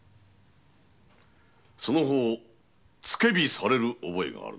その方付け火される覚えがあるのか？